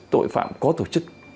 tội phạm có tổ chức